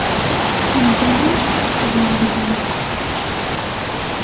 Sselmed-iyi ad xeddmeɣ lebɣi-k.